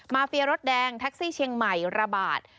เฟียรถแดงแท็กซี่เชียงใหม่ระบาด